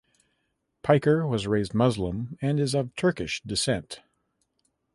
Piker was raised Muslim and is of Turkish descent.